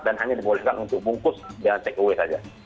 dan hanya diperbolehkan untuk bungkus dan take away saja